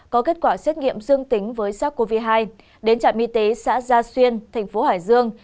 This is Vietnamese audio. có kết quả xét nghiệm dương tính với sars cov hai đến trạm y tế xã gia xuyên tp hcm